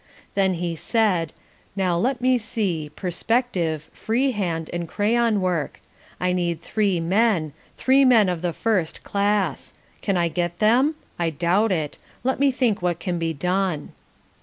Then he said, "Now, let me see, Perspective, Freehand, and Crayon Work. I need three men: three men of the first class. Can I get them? I doubt it. Let me think what can be done."